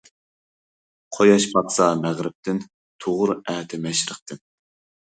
قۇياش پاتسا مەغرىبتىن، تۇغۇر ئەتە مەشرىقتىن.